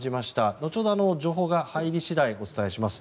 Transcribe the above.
後ほど情報が入り次第お伝えします。